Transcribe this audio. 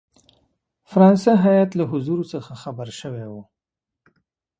فرانسه هیات له حضور څخه خبر شوی وو.